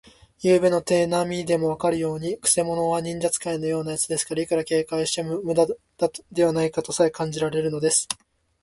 ゆうべの手なみでもわかるように、くせ者は忍術使いのようなやつですから、いくら警戒してもむだではないかとさえ感じられるのです。